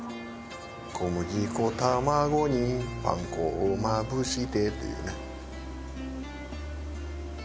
「小麦粉・卵にパン粉をまぶして」っていうね。